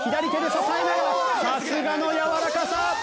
さすがのやわらかさ！